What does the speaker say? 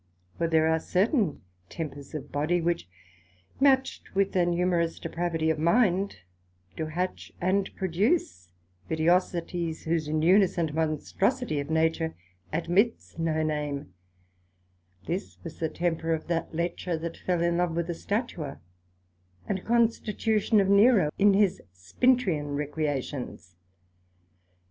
For there are certain tempers of body, which matcht with an humorous depravity of mind, do hatch and produce vitiosities, whose newness and monstrosity of nature admits no name; this was the temper of that Lecher that fell in love with a Statua, and constitution of Nero in his Spintrian recreations.